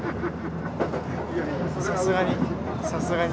さすがにさすがに。